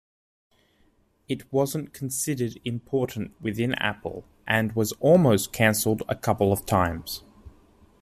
It wasn't considered important within Apple and was almost canceled a couple of times.